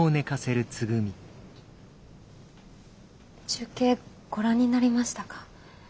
中継ご覧になりましたか？